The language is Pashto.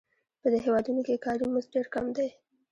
په دې هېوادونو کې کاري مزد ډېر کم دی